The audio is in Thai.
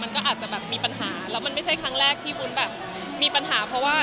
มันก็อาจจะแบบมีปัญหาแล้วมันไม่ใช่ครั้งแรกที่วุ้นแบบมีปัญหาเพราะว่า